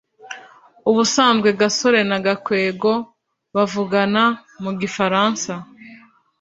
ubusanzwe gasore na gakwego bavugana mu gifaransa